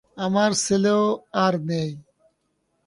আমার ছেলেও আর নেই।